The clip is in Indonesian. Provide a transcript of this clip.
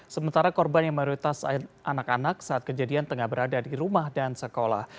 sementara korban yang mayoritas anak anak saat kejadian tengah berada di rumah dan sekolah